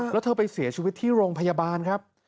แล้วเธอไปเสียชีวิตที่โรงพยาบาลครับ